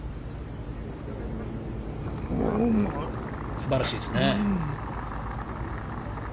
素晴らしいですね。